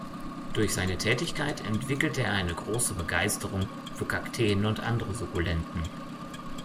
Durch seine Tätigkeit entwickelte er eine grosse Begeisterung für Kakteen und andere Sukkulenten.